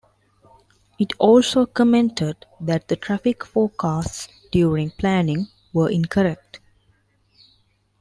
It also commented that the traffic forecasts during planning were incorrect.